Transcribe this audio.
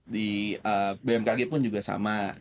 di bmkg pun juga sama